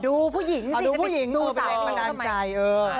ดูผู้หญิงสิดูผู้หญิงดูสามีมาดันใจ